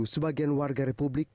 sebagian warga republik